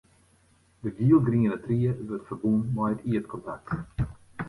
De gielgriene tried wurdt ferbûn mei it ierdkontakt.